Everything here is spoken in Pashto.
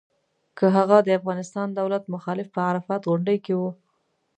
که هغه د افغانستان دولت مخالف په عرفات غونډۍ کې و.